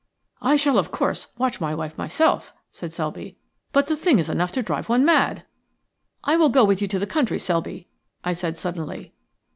"I shall, of course, watch my wife myself," said Selby. "But the thing is enough to drive one mad." "I will go with you to the country, Selby," I said, suddenly.